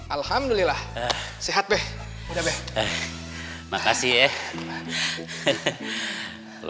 alhamdulillah sehat deh udah deh makasih ya